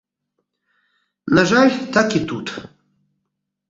На жаль, так і тут.